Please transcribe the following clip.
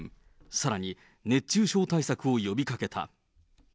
さらに、熱中症対策を呼びかけた。